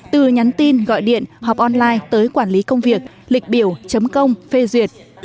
từ nhắn tin gọi điện họp online tới quản lý công việc lịch biểu chấm công phê duyệt